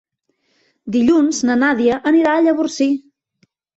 Dilluns na Nàdia anirà a Llavorsí.